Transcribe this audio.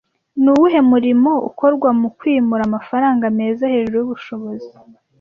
Ni uwuhe murimo ukorwa mu kwimura amafaranga meza hejuru yubushobozi